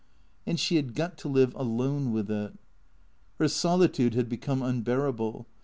And she had got to live alone with it. Her solitude had become unbearable.